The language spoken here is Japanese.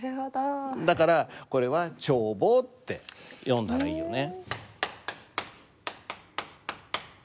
だからこれは「ちょうぼう」って読んだらいいよね。